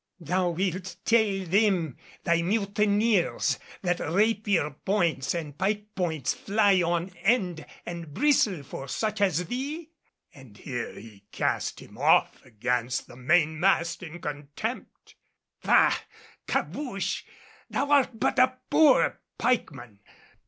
Thou wilt tell them, thy mutineers, that rapier points and pike points fly on end and bristle for such as thee?" And here he cast him off against the main mast in contempt. "Bah! Cabouche, thou art but a poor pikeman.